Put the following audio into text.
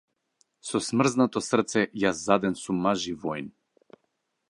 Со смрзнато срце јас заден сум маж и воин.